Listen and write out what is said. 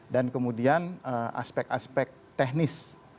dan kemudian aspek aspek teknis